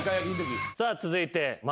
さあ続いて。